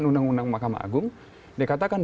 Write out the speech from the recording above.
undang undang mahkamah agung dikatakan